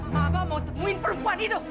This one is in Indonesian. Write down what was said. maka mau temuin perempuan itu